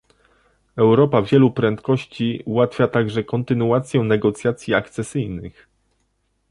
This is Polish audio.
Europa wielu prędkości ułatwia także kontynuację negocjacji akcesyjnych